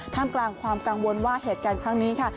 กลางความกังวลว่าเหตุการณ์ครั้งนี้ค่ะ